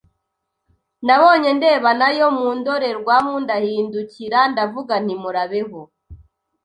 Nabonye ndeba nayo mu ndorerwamo ndahindukira ndavuga nti muraho.